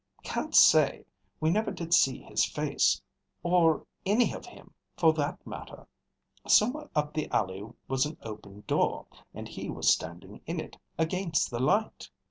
"Can't say. We never did see his face. Or any of him, for that matter. Somewhere up the alley was an open door, and he was standing in it, against the light.